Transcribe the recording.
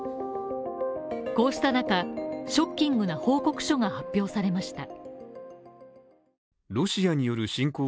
こうした中、ショッキングな報告書が発表されました。